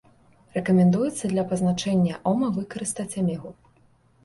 Рэкамендуецца для пазначэння ома выкарыстаць амегу.